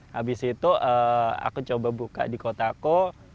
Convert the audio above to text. habis itu aku coba buka di kotaku